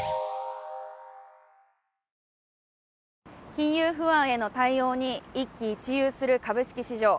金融不安への対応に一喜一憂する株式市場。